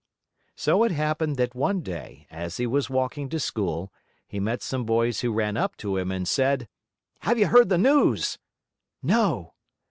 So it happened that one day, as he was walking to school, he met some boys who ran up to him and said: "Have you heard the news?" "No!"